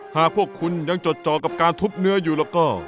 หากพวกคุณยังจดจอกับการทุบเนื้ออยู่แล้วก็